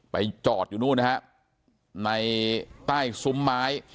ไปจอดอยู่นู้นนะครับในใต้ซุ้มไม้